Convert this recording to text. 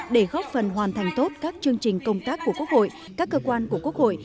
để góp phần hoàn thành tốt các chương trình công tác của quốc hội các cơ quan của quốc hội